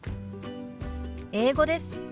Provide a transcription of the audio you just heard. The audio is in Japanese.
英語です。